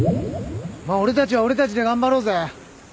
まあ俺たちは俺たちで頑張ろうぜ。